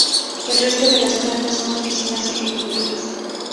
El resto de las plantas son oficinas ejecutivas.